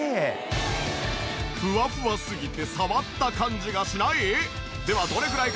フワフワすぎて触った感じがしない！？